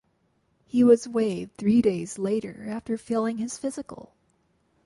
He was waived three days later after failing his physical.